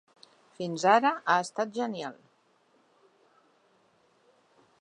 Fins ara ha estat genial.